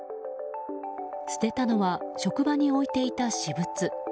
捨てたのは職場に置いていた私物。